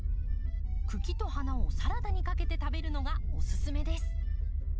茎と花をサラダにかけて食べるのがおすすめです。